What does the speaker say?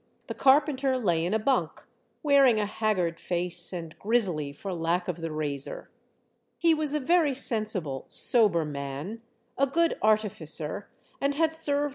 The carpenter lay in a bunk, wearing a haggard face, and grizzly for lack of the razor. He was a very sensible, sober man. a 2'ood artificer, and had served 46 THE DEATH SHIP.